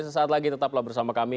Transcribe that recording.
sesaat lagi tetaplah bersama kami